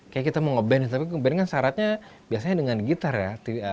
kayak kita mau nge band tapi nge band kan syaratnya biasanya dengan gitar ya